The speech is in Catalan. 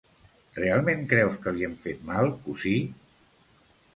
Realment creus que li hem fet mal, cosí?